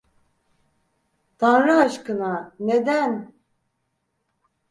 Tanrı aşkına, neden?